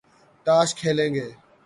تاش کھیلیں گے